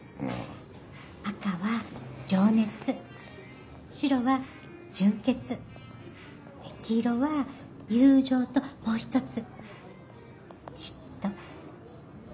赤は情熱白は純潔黄色は友情ともう一つ嫉妬嫉妬！